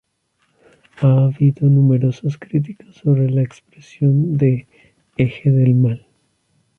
Ha habido numerosas críticas sobre la expresión de "Eje del mal".